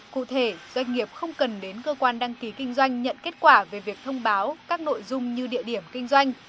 cụ thể doanh nghiệp không cần đến cơ quan đăng ký kinh doanh nhận kết quả về việc thông báo các nội dung như địa điểm kinh doanh